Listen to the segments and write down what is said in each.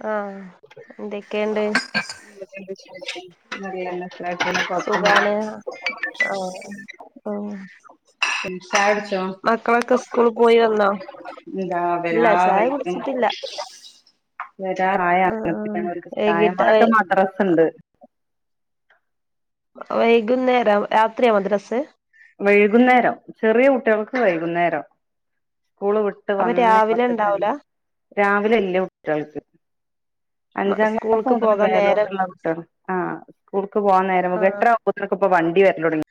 ആ. [unintelligible] [unintelligible] സുഖാണ് ആഹ് ആഹ് ചായ കുടിച്ചോ? മക്കളൊക്കെ സ്കൂൾ പോയി വന്നോ എന്താ ഇല്ല ചായ വരാറായിക്കണ് കുടിച്ചിട്ടില്ല വരാറായ ആഹ് ആഹ് വൈകിട്ട് [unintelligible] മദ്രസ ഇണ്ട് വൈകുന്നേരം രാത്രിയാ മദ്രസെ വൈകുന്നേരം ചെറിയ കുട്ടികൾക്ക് വൈകുന്നേരം സ്കൂള് വിട്ട് അപ്പൊ വന്നെ രാവിലെ അപ്പെ തന്നെ ഉണ്ടാവൂല രാവിലെ വല്യ കുട്ടികൾക്ക് അഞ്ചാം ക്ലാസ് സ്കൂൾക്ക് മുതല് പോകാൻ നേരം മേലോട്ടുള്ള കുട്ടികള് ആ സ്കൂൾക്ക് പോകാൻ നേരം ആകുമ്പേ ആഹ് എട്ടരാവും ഇതിന്ക്കിപ്പെ വണ്ടി വരല് തുടങ്ങി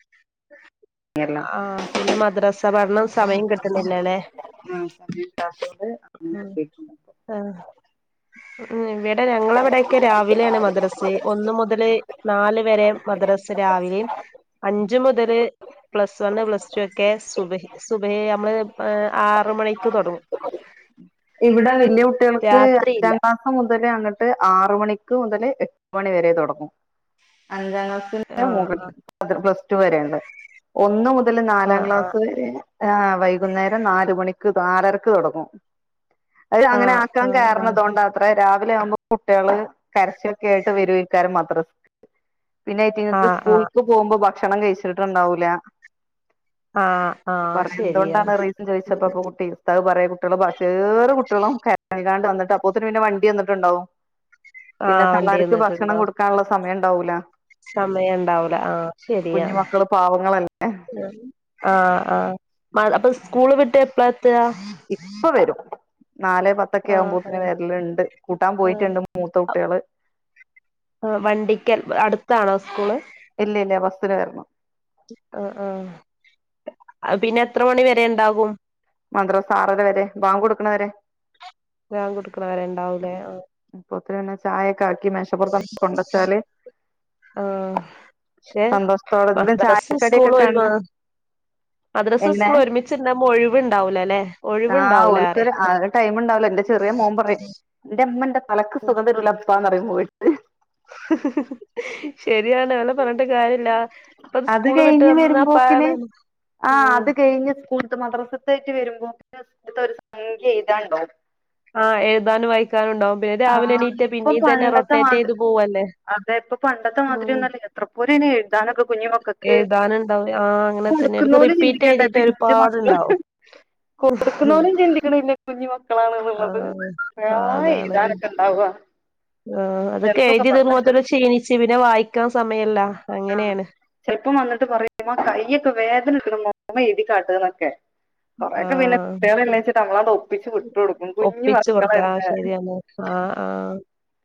ആ പിന്നെ മദ്രാസ പഠനം. സമയം കിട്ടുന്നില്ലല്ലെ ആ സമയം കിട്ടാത്തോണ്ട് ആഹ് [unintelligible] ഉം ഇവിടെ ഞങ്ങളവിടെയൊക്കെ രാവിലെ യംണ് മദ്രസെ. ഒന്ന് മുതല് നാല് വരെ മദ്രസ രാവിലെയും അഞ്ച് മുതല് പ്ലസ് വണ് പ്ലസ് ടു ഒക്കെ സുബയ് സുബയ നമ്മള് ആറ് മണിക്ക് തുടങ്ങും. ഇവിടെ വല്യ കുട്ടികൾക്ക് രാത്രിയില്ല അഞ്ചാം ക്ലാസ്സു മുതല് അങ്ങട് ട്ട് ആറുമണിക്ക് മുതൽ എട്ട് മണി വരെ തുടങ്ങും. അഞ്ചാം ആഹ് ക്ലാസ്സിന് [unintelligible] പ്ലസ് ടു വരെയൊള്ള ഒന്ന് മുതൽ നാലാം ആഹ് ആഹ് ക്ലാസ് വരെ ആ വൈകുന്നേരം നാലുമണിക്ക് നാലരക്ക് തുടങ്ങും. അവര് അങ്ങനെ ആക്കാൻ ആഹ് ആഹ് കയറണതോണ്ട് ആത്രേ രാവിലെ ആവുമ്പോ കുട്ടികള് കരച്ചിലൊക്കെ ആയിട്ട് [unintelligible] മദ്രസ് പിന്നെ ഐറ്റുങ്ങക്ക് ആഹ് ആഹ് സ്കൂള്ക്ക് പോകുമ്പോ ഭക്ഷണം കഴിച്ചിട്ടുണ്ടാവൂല ആ പറഞ്ഞ് എന്തുകൊണ്ടാണ് റീസൻ ചോദിച്ചപ്പോ അപ്പൊ കുട്ടി ഉസ്താദ് പറയാ കുട്ടികള് ബസേറ് കുട്ടികളും [unintelligible] വന്ന് അപ്പോത്തിന് പിന്നെ വണ്ടി വന്നിട്ടുണ്ടാവും. പിന്നെ ആഹ് വണ്ടി തള്ളാർക്ക് ഭക്ഷണം വന്നിട്ടുണ്ടാവും കൊടുക്കാനുള്ള സമയം ഉണ്ടാവൂല സമയം ഉണ്ടാവൂല ആ കുഞ്ഞു ശരിയാണ്. മക്കള് പാവങ്ങളല്ല ആ ആ മ അപ്പൊ സ്കൂള് വിട്ട് എപ്പളാ എത്താ ഇപ്പൊ വരും. നാലേ പത്തൊക്കെ ആഹ് ആവുമ്പോഴത്തേനും വരലുണ്ട് കൂട്ടാൻ പോയിട്ടുണ്ട് മൂത്ത കു കുട്ടികള് ആ വണ്ടിക്കൽ അടുത്താണോ സ്കൂള് ഇല്ല ഇല്ല ബസ്ന് വരണം. ആഹ് ആഹ് അത് പിന്നെ എത്ര മണി വരെ ഇണ്ടാവും മദ്രസ ആറര വരെ ഭാങ്ക് കൊടുക്കണ വരെ. ഭാങ്ക്കൊടുക്കണവരെ ഉണ്ടാവൂലേ. ആ പോത്തിരി പിന്നെ ചായ ഒക്കെ ആക്കി മേശപ്പുറത്തങ്ങട് കൊണ്ടുവച്ചാല് ആഹ് പക്ഷെ മദ്രസ് സ്കൂള് ഒരുമാ കണ്ട് മദ്രസ എങ്ങനെ സ്കൂള് ഒരുമിച്ചിണ്ടാവുമ്പേ ഒഴിവുണ്ടാവൂല അല്ലേ ആഹ് ഒഴിവുണ്ടാവൂല അറിയാ ഓൽക്കൊരു ടൈം ഉണ്ടാവൂല എന്റെ ചെറിയ മോൻ പറയും. എന്റെ അമ്മന്റെ തലക്ക് സുഖം തരൂല്ലപ്പാന്ന് പറയും പോയിട്ട് ശരിയാണ് അവളെപറഞ്ഞിട്ട് കാര്യല്ല. ഇപ്പ അത് സ്കൂള് വിട്ട് കഴിഞ്ഞ് വരുമ്പോക്കിന് വന്നാപ്പാടെ ഉം ആ അത് കഴിഞ്ഞ് സ്കൂൾ മദ്രസത്തേറ്റ് വരുമ്പോ പിന്നെ സ്‌കൂളിൽത്തെ ഒരു സംഖ്യ എഴുതാണ്ടാവും. ആഹ് എഴുതാനും വായിക്കാനും ഉണ്ടാവും പിന്നെ ആ രാവിലെ എണീറ്റ ഇപ്പൊ പിന്നെ ഇതന്നെ പണ്ടത്തെ റൊട്ടേറ്റ് മാതി ചെയ്ത് പോവല്ലേ അതെ ഇപ്പൊ പണ്ടത്തെ മാതിരി ഒന്നുല്ല അത്ര എഴുതാനുണ്ടാവൂലേ ആ അങ്ങനെ തന്നെ ഇവൾക്ക് കൊടുക്കുന്നോല് റിപ്പീറ്റ് എഴുതീട്ട് ഒരുപാട്ണ്ടാവും ഒ കൊടുക്കുന്നവനും ചിന്തിക്കണില്ല കുഞ്ഞു മക്കളാണ് എന്നുള്ളത്. രാമായ എഴു താനക്കെ ഇണ്ടാവ ആ അതൊക്കെ എഴുതി വരുമ്പോത്തനും ക്ഷീണിച്ചു പിന്നെ വായിക്കാൻ സമയ ഇല്ല. ആ ചിലപ്പം വന്നിട്ട് പറയും ഉമ്മ കയ്യൊക്കെ വേദന എടുക്കണുമ്മ ഉമ്മ എഴുതിക്കാട്ട് എന്നൊക്കെ കൊറെയൊക്കെ പിന്നെ ആഹ് കുട്ടികളല്ലേന്ന് വച്ചിട്ട് പിന്നെ നമ്മളങ്ങ് ഒപ്പിച്ചിച്ച് വിട്ടു കൊടുക്കും. കുഞ്ഞ് മക്കളല്ലേ. ആ ആ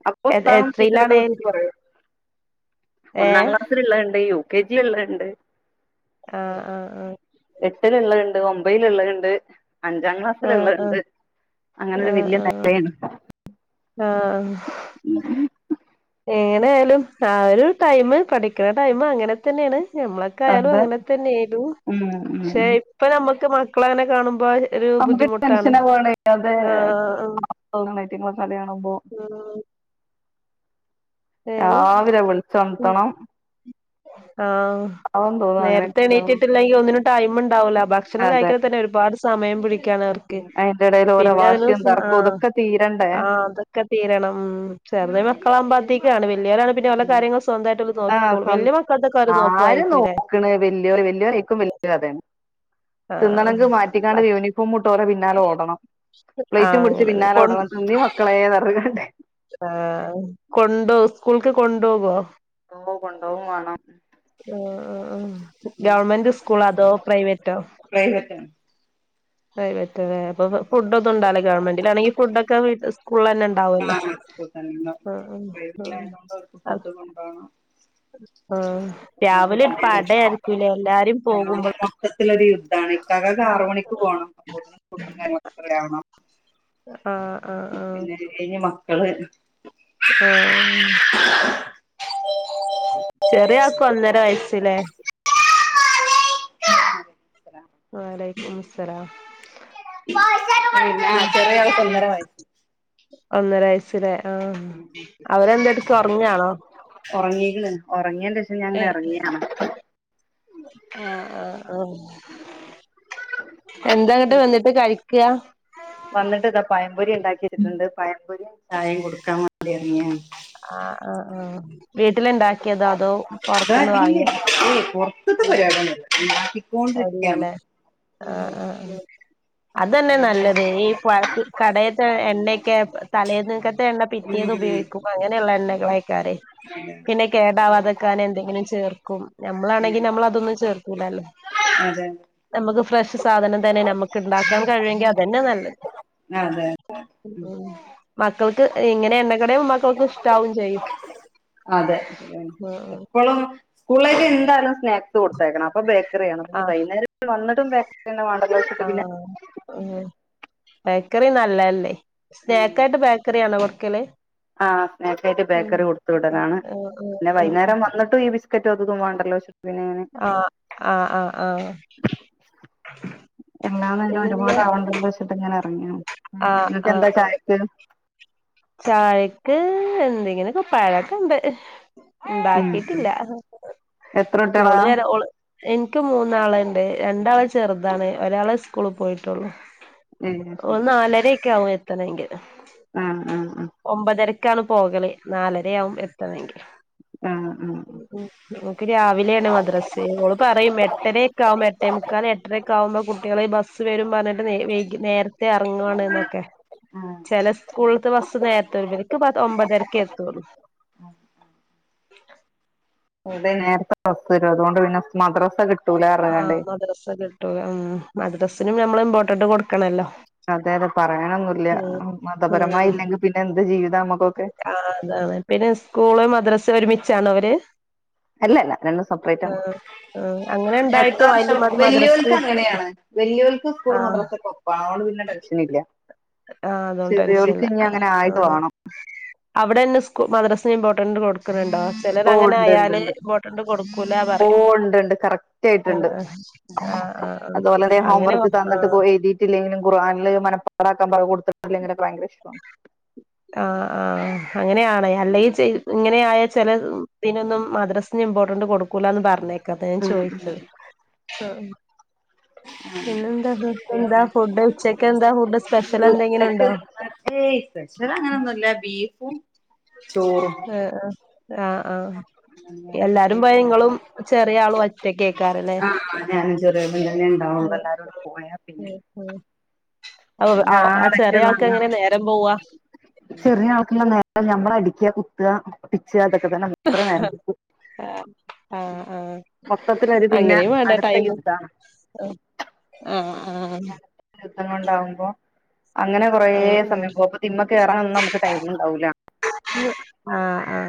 അപ്പൊ ഉസ്താദും ടീച്ചറൊക്കെ വിളിച്ച് പറയും ഒന്നാം ഏഹ് ക്ലാസ്സ്ല്ള്ളെ ണ്ട് യൂ കെ ജിള്ളെണ്ട് ആഹ് ആഹ് എട്ട്ല്ള്ളെ ണ്ട് ഒമ്ഭീല്ള്ളെണ്ട് അഞ്ചാം ആഹ് ആഹ് ക്ലാസ്സില്ള്ളെണ്ട് അങ്ങനെരു ആഹ് ആഹ് വെല്ല്യേനെലേണ്. ആഹ് എങ്ങനെ ആയാലും ആ ഒര് ടൈമ് പഠിക്കണ ടൈമ് അങ്ങനെ തന്നേണ്. ഞമ്മളൊക്കായാലും അതെ അങ്ങനെ തന്നേര്ന്നു. ഉം ഉം ഉം പക്ഷെ ഇപ്പ ഞമ്മക്ക് മക്കളങ്ങനെ കാണുമ്പോ ഒരു നമുക്ക് ബുദ്ധിമുട്ടാണ് ടെൻഷനെ പോണാ ഐറ്റ ആഹ് ആഹ് ക്ലാസ് കാണുമ്പോ ആഹ് ഏതായാലും രാവിലെ വിളിച്ചോൺത്തണം ആഹ് നേരത്തെ അങ്ങനെയൊക്കെ എണീറ്റിട്ടില്ലെങ്കി ഒന്നിനും ടൈമ് ണ്ടാവൂല ഭക്ഷണം അതെ കഴിക്കണ തന്നെ ഒര്പാട് സമയം പിടിക്കാണ് അവർക്കെ അതിന്റെ ഇടയിൽ ഓരോ പിന്നെ അതിന് വാശിയും സ തർക്കവും ആഹ് ഇതൊക്കെ തീരണ്ടേ ആഹ് അതൊക്കെ തീരണം. ചെറുന്ന മക്കളാകുമ്പതികാ ആഹ് നോക്കിക്കോളും സ്വ വലിയ മക്കളതൊക്കെ അവര് ആര് നോക്കുവായിരിക്കൂല്ലേ നോക്ക്ണ് വെല്ല്യേല് വെല്ല്യോലെ ഐക്കും വെല്ല്യേ കഥേണ്. ആഹ് തിന്നണെങ്കി മാറ്റിങ്ങാണ്ട് യൂണിഫോം മ്ട്ട ഓലെ പിന്നാലെ ഓടണം. പ്ലേറ്റും ആഹ് പിടിച്ച് അങ്ങനെ പിന്നാലെ കൊ ഓടണം. തിന്നിം മക്കളേ ന്നർങ്ങാണ്ട്. ആഹ് കൊണ്ടോവ് സ്കൂൾക്ക് കൊണ്ടോവോ? സ്‌കൂൾക്ക് കൊണ്ടോവും വാണം. ആഹ് ആഹ് ആ ഗവൺമെന്റ് സ്കൂള അതോ പ്രൈവറ്റോ? പ്രൈവറ്റ് ആണ് പ്രൈവറ്റ്ലേ അപ്പൊ ഫുഡ്ഡോന്നുണ്ടാവൂല. ഗവൺമെന്റിലാണെങ്കി ഫുഡൊക്കെ വീട്ട് സ്കൂളിലെന്നെ ണ്ടാവോലോ. ആ സ്കൂൾ തന്നെണ്ടാവും പ്രൈവറ്റിലായതോണ്ട് ഓൽക്ക് ആഹ് ഫുഡ്ഡ് കൊണ്ടോണം. ആഹ് രാവിലെ ഒരു പടയായിരിക്കൂലേ എല്ലാരും പോകുമ്പോൾ മൊത്തത്തിലൊര് അതാണിക്കാകാക്ക് ആറ് മണിക്ക് പോണം. അപ്പോത്തിന് ഫുഡ്ഡും കാര്യങ്ങളൊക്കെ റെഡ്യാവണം. ആഹ് ആഹ് ആഹ് പിന്നത് കൈഞ്ഞ് മക്കള് ആഹ് ചെറിയ ആൾക്ക് ഒന്നര വയസ്സില്ലേ [inaudible] വലൈക്കും മുസ്സലാം. [unintelligible] ചെര്യേ ആൾക്ക് ഒന്നര വയസ് ഒന്നര വയസ്ലെ ആഹ് അവരെന്തെട്ക്കാ ഒർങ്ങാണോ ഉറങ്ങി ഞാങ്ങനെ ഏഹ് എറങ്ങി ആഹ് ആഹ് ആ എന്താന്ന്ട്ട് വന്ന്ട്ട് കഴിക്ക്യാ വന്ന്ട്ട് ഇതാ പയംപൊരി ഇണ്ടാക്കിച്ച്ട്ട്ണ്ട് പയംപൊരീം ചായീം കൊട്ക്കാം വാണ്ടി എറങ്യാണ് ആ ആഹ് ആഹ് വീട്ട്ല് ണ്ടാക്കിയതോ അതോ പൊർത്ത്ന്ന് വാങ്യേതോ [unintelligible] ഉണ്ടാക്കിക്കൊണ്ടിരിക്കാണ് ആ ആഹ് അതന്നെ നല്ലത് [unintelligible] കടേ ട്ട എണ്ണേക്കെ തലേന്നക്കത്തെ എണ്ണ പിറ്റേന്ന് ഉം ഉപയോഗിക്കും അങ്ങനെള്ള എണ്ണെകളേക്കാരെയ്. പിന്നെ കേടാവാതക്കാന് എന്തെങ്കിലും ചേർക്കും നമ്മളാണെ ഉം ഞമ്മളതൊന്നും ചേർക്കൂലല്ലോ അതെ ഞമ്മക്ക് ഫ്രഷ് സാധനം തന്നെ ഞമ്മക്ക് ണ്ടാക്കാൻ കഴിയൊങ്കി അതന്നെ നല്ലത് അതെ അതെ ഉം ഉം മക്കൾക്ക് ഇങ്ങനെ എണ്ണക്കട്യവുമ്പോ മക്കൾക്ക് ഇഷ്ട്ടാവും ചെയ്യും അതെ ശെരിയാണ് എപ്പളോ സ്കൂളിലേക്ക് എന്തയലും സ്നാക്സ് കൊട്ത്തയക്കണം അപ്പ ബേക്കറിയാണ്. അപ്പഞ്ഞി ആഹ് വൈന്നേരം വന്ന്ട്ടും ബെക്കറി ന്നെ വാണ്ടല്ലോച്ച്ട്ട് പിന്നെ ആഹ് ഉം ബേക്കറി നല്ലല്ലേയ് ഉം സ്നക്കായ്ട്ട് ബേക്കറി ആണോ കൊട്ക്കല്. ആ സ്നാക്കായ്ട്ട് ബേക്കറി കൊട്ത്ത് വിടലാണ് ആഹ് പിന്നെ വൈന്നേരം വന്ന്ട്ടും ഈ ബിസ്‌ ക്കറ്റും അതുതും വേണ്ടല്ലോ ച്ച്ട്ട് ആ ആ ആ ആ എല്ലാനേരോം ഒര് പോലെ ആവണ്ടാച്ച്ട്ട്ങ്ങനെ ആഹ് ങ്ങക്കെന്താ ചായക്ക് താഴെക്ക് എന്തെങ്ങനെ പ്പാഴൊക്കെ ഇണ്ട് പ ഉം ണ്ടാക്കിട്ടില്ല എത്ര മോളു കുട്ടികളാ നേരെ ഓള് എനിക്ക് മൂന്നാളുണ്ട് രണ്ടാള ചെ ചെറുതാണ് ഒരാളെ സ്കൂളിൽ പോയിട്ടുള്ളൂ ഏഹ് ഓൾ ശരി നാലരക്കെ ആവും എ തന്നെങ്കില് ആ ആ ആ ക്കാണ് പോകളേ നാലരയാവുംമ്പോ എത്തണമെങ്കില് ആ ഉം ഓക്ക് രാവിലെയാണ് മദ്രാസെ ഓള് പറയും എട്ടരയക്കാവുമ്പോ എട്ടെമുക്കാല് എട്ടര കാവുമ്പോ ഫു കുട്ടികൾ ബസ്സ് വരും പറഞ്ഞിട്ട് വൈകി നേരത്തെ ഇറങ്ങുവാണ് എന്നൊക്കെ ആഹ് ആഹ് ചെല ളത്തെ ബസ്സ് നേരത്തെ വരുക ഇവരുക്ക് ഒമ്പതരക്ക എത്തുള്ളൂ ഇവിടെ നേരത്തെ ബസ് വരും അതുകൊണ്ട് പിന്നെ മദ്രാസ കിട്ട ആ മദ്രസ്സ കിട്ടുലാ ഉം മദ്രസിനും നമ്മൾ ഇമ്പോർട്ടന്റ് കൊടുക്കണല്ലോ അതെ അതെ പ പറയാനൊന്നുംല്ല ഉം മതപരമായി ഉം ഇല്ലെങ്കിൽ പിന്നെ എന്ത് ജീവിതം നമ്മുക്കൊക്കെ ആഹ് അതാണ് പിന്നെ സ്കൂള് മദ്രാസ ഒരുമിച്ചാണൊ അവര് അല്ലല്ല രണ്ടും സപ്പറേറ്റ് ആണ് ആഹ് അങ്ങനെ എടുത്ത ഉണ്ടായിട്ടും വർഷം അയിലും അത് മദ്രസ്ക്ക് വല്യോൽക്ക് അങ്ങനെയാണ് വല്യോൽക്ക് സ്കൂൾ ആഹ് മദ്രസൊപ്പാണ് അ കൊണ്ട് പിന്നെ ടെൻഷൻ ഇല്ല ആ അതുകൊണ്ട് ചെറിയോൽക്ക് ടെൻഷല്ല ഇനി അങ്ങനെ ആ ആയിട്ട് വേണം അവിടെന്നെ സ്കൂ മദ്രാസ ഇമ്പോർട്ടന്റ് ന്റ് കൊടുക്കണണ്ടോ ചെലത് ഓ അങ്ങനെ ഉണ്ട് ഉണ്ട് ആയാല് ഉണ്ട് ഇമ്പോർട്ടന്റ് കൊടുക്കൂല ഓ പറയും ഉണ്ട് ആ ആ ആ അതുപോലെതെ ഹോംവർക്ക് തന്നിട്ട് എഴുതിയിട്ടില്ലെങ്കിലും ഖുരർഹാനിൽ മന പടാക്കാ പറവ് കൊടുത്തിെല്ലെങ്കില് ഭയങ്കര ഇഷ്ടവാണ് ആ ആ അങ്ങനെയ ആണ് അല്ലെങ്കിൽ ചെ ഇങ്ങനെ ആയ ചെല പിന്നൊന്നും മദ്രസി ഇമ്പോർട്ടന്റ് കൊടുക്കൂലന്ന് പറഞ്ഞേക്ക അതാ ഞാൻ ഉം ഉം ചോയിച്ചത് ആ എന്താ പിന്നെ ഫുഡ് ഉച്ചക്ക് എന്താ ഫുഡ് സ്പെഷ്യൽ എന്തെങ്കിലും ഉണ്ടോ [unintelligible] ച അങ്ങനെയൊന്നുംല്ല ബീഫും ചോറും ആ ആ ആആ വേറെ എല്ലാരും പ്രത്യേകിച്ചൊന്നുല്ല പയ്യങ്ങളും ചെറിയ ആള് ഒറ്റക്ക് കേക്കാരല്ലേ ആഹ് ഞാനും ചെറിയതും തന്നെ ആ ഉണ്ടാവുള്ളൂ എല്ലാരൂടെ പോയാ പിന്നെ ഉം ഉം ഉം പിന്നെ ഓ ആ ചെറിയ ആളെറ്റള്ള ആൾക്ക് എങ്ങനെ നേരം പോവാ ഞമ്മള അടിക്ക കുത്ത പ്പിച്ച അതൊക്കെ തന്നെ മൂപ്പരെ നേരം പോവും ആഹ് ആഹ് ആഹ് മൊത്തത്തിലൊരു പിന്നെ അങ്ങനെയും വേണ്ടേ അടുത്ത ടൈമ് യുദ്ധാണ് ആഹ് ആഹ് ആഹ് ദുഖങ്ങള് ഉണ്ടാവുമ്പോ അങ്ങനെ കൊറേ ആഹ് സമയം പോവുപ്പോ തിമ്മ കയറാനൊന്നും നമുക്ക് ടൈം ഉണ്ടാവൂല ആഹ ആഹ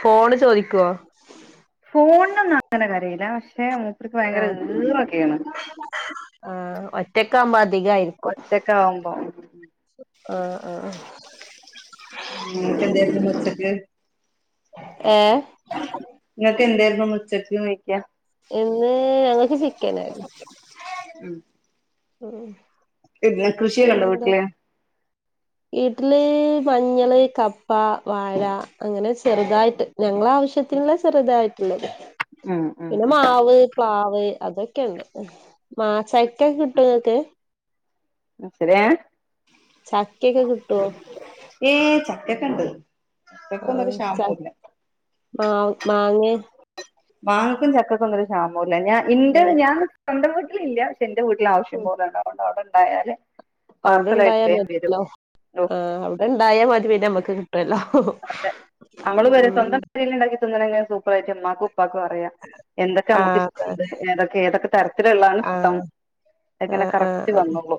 ഫോണ് ചോദിക്കുവോ ഫോണിനു ഒന്നും അങ്ങനെ കരയില്ല പക്ഷെ മൂപ്പരിക്ക് ഭയങ്കര ആഹ് വീറൊക്കെയാണ് ഒറ്റക്കാമ്പോ അധികായിരിക്കും ഒറ്റക്കാവുമ്പോ ആഹ ആഹ [unintelligible] ഒറ്റക്ക് ഏഹ് ഇങ്ങക്ക് എന്തെയിരുന്നു ഇന്നുച്ചക്ക് ചോയ്ക്ക എന്ന് ഞങ്ങൾക്ക് ചിക്കനായിരുന്നു ഉം ഉം പിന്നെ കൃഷിയെല്ലാണ്ടോ പിന്നെന്താ വീട്ടില് വീട്ടില് മഞ്ഞള് കപ്പ വാഴ അങ്ങനെ ചെറുതായിട്ട് ഞങ്ങള ആവശ്യത്തിനുള്ള ചെറുതായിട്ടുള്ളത് ഉം പിന്നെ ഉം മാവ് പ്ലാവ് അതൊക്കെയുണ്ട് മാസയക്കെ കിട്ടുംങ്ങക്ക് ശരി ചക്കൊക്കെ കിട്ടുവോ ഏച്ച കേക്കാണ്ട് ആഹ ചെൽ മാ മാങ്ങ വാങ്ങിക്കുന്ന ചക്കക്കൊന്നും ഒരു ക്ഷാമല്ല ഞാൻ ഇന്റെ ആഹ് ഞാൻ സ്വന്ത വീട്ടില ഇല്ല ആവശ്യം പോല ഉണ്ടാവണ്ട് അവിടെ ഉണ്ടായാല് പാർസലായിട്ട് അവിടെണ്ടായ വേഗം വരും മതില്ലോ ഓ ആ് അവിടെണ്ടായ മതി പിേന്ന നമ്മുക്ക് കിട്ടുമല്ലോ അതെ നമ്മള് വര സ്വന്തം പെരേല് ഉണ്ടാക്കി ഇനെ സൂപ്പർായിട്ട ഉമ്മാക്കും ഉപ്പാക്കും അറയാ എന്തൊക്കെ ആഹ് അതെ നമുക്കിഷ്ടണ്ട് ഏതെ ഏതൊക്കെ തരത്തിലള്ളാണ് ഇഷ്ടം ആഹ് അങ്ങനെ ആഹ് ആഹ് കറക്റ്റ് ആഹ് വന്നോളു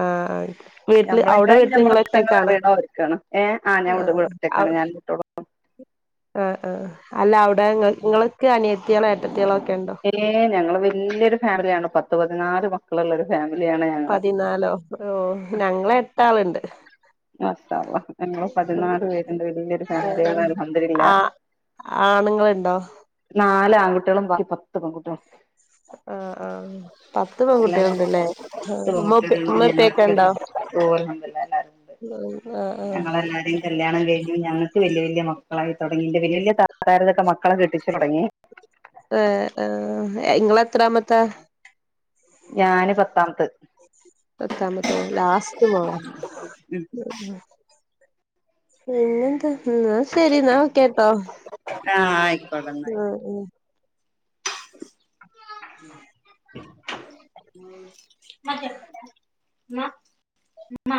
ആഹ് വീട്ടില് അവിടെ ഞമ്മളെകായും വീട്ടില് നിങ്ങള് നഞമ്മളഷ്ടങ്ങൾ ഒറ്റക്കാണോ അറിയണോർ ക്കാണ് ഏ ആ ഞാൻ ആഹ് വിടുവിട ഞാനും കുട്ടികളും ആഹ് അല്ല അവിടെ ങ്ങൾക്ക് അനിയത്തിയയാളോ ഏട്ടത്തിയളോെ ഏ ഞങ്ങള് വല്ല്യൊരു ഫാമിലിയാണ് പത്ത് പതിനാല് മക്കളള്ള ഒരു ഫാമിലി. പതിനാലോ ഓ ഞങ്ങള എട്ടാളണ്ട് സവാ ഞങ്ങള് പതിനാറ് പേരിന്റെ വല്യൊരു ഫാമിലിയണ ആ അൽഹംദുലില്ലാഹ് ആണുങ്ങളുണ്ടോ നാല് ആൺകുട്ടികളും ബാക്കി പത്ത് പെൺകുട്ടികളും ആ ആ പത്ത് എല്ലാം പെൺകുട്ടിക കൂടി ഉണ്ട്ല്ലേ പത്ത് ഉമ്മ പെൺകുട്ടികളുണ്ട് ഉമ്മപ്പൊക്കെ ഞങ്ങളൊക്കെ ഉണ്ടോ എല്ലാരും ഉണ്ട് ആഹ് ആഹ് ഞങ്ങളെല്ലാരും കല്യാണം കഴിഞ്ഞു ഞങ്ങൾക്ക് വലിയ വല്യയ മക്കളായി തുടങ്ങി എന്റെ വലയ വല്ല്യയ ത താരതൊക്കെ മക്കളെ കെട്ടിച്ചു തുടങ്ങി ഏ ഇങ്ങള എത്രാമത്താ ഞാന് പത്താമത്തത് സത്താമത്തോ ലാസ്റ്റ് പോ പിന്നന്ത ന്നാ ശരി എന്നാ വെക്കാട്ടോ ആ ആയിക്കോട്ടെ എന്നാ ആ ഉ [unintelligible] മ്മാ മ്മാ